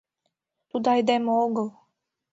— Тудо айдеме огыл!